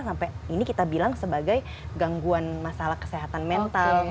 sampai ini kita bilang sebagai gangguan masalah kesehatan mental